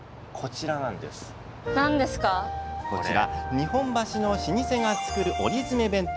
日本橋の老舗が作る折詰弁当。